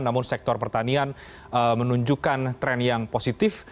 namun sektor pertanian menunjukkan tren yang positif